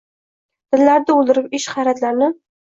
Dillarda oʻldirib ishq, hayratlarni